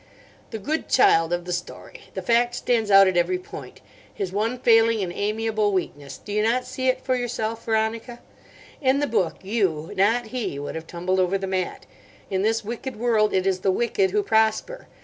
"The good child of the story. The fact stands out at every point. His one failing an amiable weakness. Do you not see it for yourself; Veronica? In the book, you, not he, would have tumbled over the mat. In this wicked world it is the wicked who prosper.